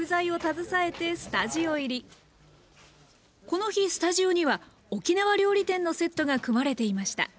この日スタジオには沖縄料理店のセットが組まれていました。